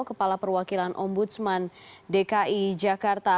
kepala perwakilan ombudsman dki jakarta